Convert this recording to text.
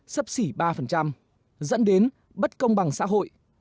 sấp xỉ ba dẫn đến bất công bằng xã hội